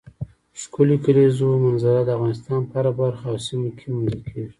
ښکلې کلیزو منظره د افغانستان په هره برخه او سیمه کې موندل کېږي.